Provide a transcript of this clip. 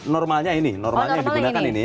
normalnya ini normalnya yang digunakan ini